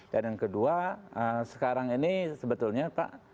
dan yang kedua sekarang ini sebetulnya pak